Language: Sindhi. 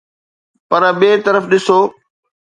پر ٻئي طرف ڏسو